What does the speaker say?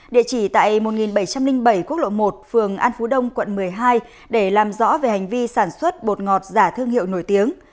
địa chỉ tại một nghìn bảy trăm linh bảy quốc lộ một phường an phú đông quận một mươi hai để làm rõ về hành vi sản xuất bột ngọt giả thương hiệu nổi tiếng